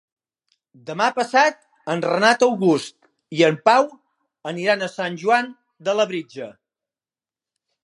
Demà passat en Renat August i en Pau aniran a Sant Joan de Labritja.